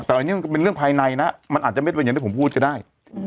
แต่อันนี้มันเป็นเรื่องภายในนะมันอาจจะไม่เป็นอย่างที่ผมพูดก็ได้